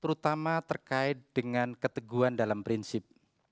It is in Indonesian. untuk krenditas pidato yang inspiratif